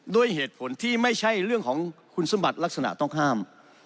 ด้วยเหตุผลที่ไม่ใช่เรื่องของคุณสมบัติลักษณะต้องห้าม